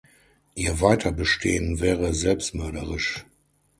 Ihr Weiterbestehen wäre selbstmörderisch.